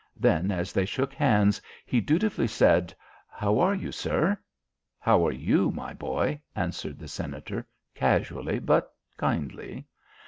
Then as they shook hands he dutifully said "How are you, sir?" "How are you, my boy?" answered the Senator casually but kindly.